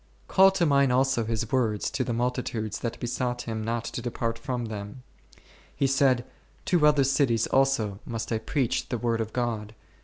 Call to mind also His words to the multitudes that besought Him not to depart from them ; He said, To other cities also must I preach the s Cant. v. 6.